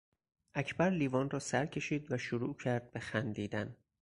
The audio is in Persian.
اکبر لیوان را سر کشید و شروع کرد به خندیدن.